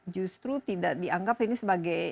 justru tidak dianggap ini sebagai